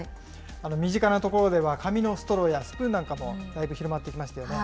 身近なところでは、紙のストローやスプーンなんかもだいぶ広まってきましたよね。